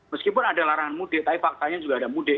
meskipun ada larangan mudik tapi faktanya juga ada mudik